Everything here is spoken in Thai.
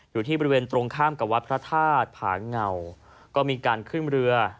อยู่ที่บริเวณตรงข้ามกับวัดพระธาตุผาเหงาก็มีการขึ้นเรือ